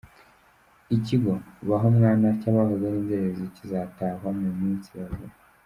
Ikigo ‘Bahomwana’ cy’abahoze ari inzererezi kizatahwa mu minsi ya vuba